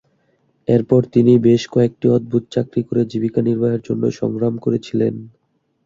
এরপর তিনি বেশ কয়েকটি অদ্ভুত চাকরি করে জীবিকা নির্বাহের জন্য সংগ্রাম করেছিলেন।